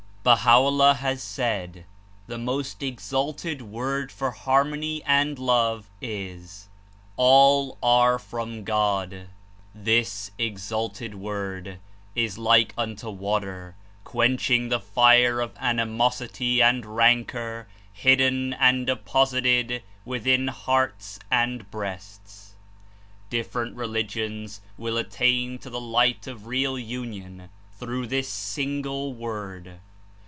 Baiia'o'llah has said the most exalted word for harmony and love is: ^'All are from God. This ex alted ziord is like unto ziater quenching the fire of animosity and rancor hidden and deposited ziithin hearts and breasts. Different religions zvill attain to the light of real union through this single word.